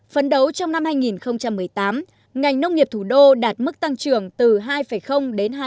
phấn đấu trong năm hai nghìn một mươi tám ngành nông nghiệp thủ đô đạt mức tăng trưởng từ hai đến hai